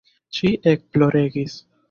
Ŝi ekploregis.